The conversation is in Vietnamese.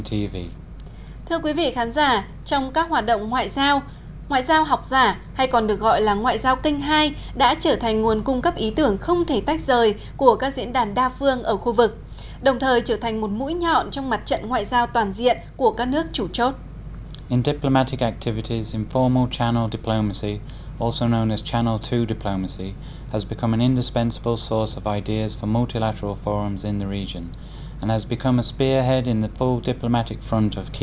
thưa quý vị khán giả trong các hoạt động ngoại giao ngoại giao học giả hay còn được gọi là ngoại giao kinh hai đã trở thành nguồn cung cấp ý tưởng không thể tách rời của các diễn đàn đa phương ở khu vực đồng thời trở thành một mũi nhọn trong mặt trận ngoại giao toàn diện của các nước chủ chốt